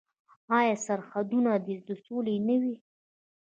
آیا سرحدونه دې د سولې نه وي؟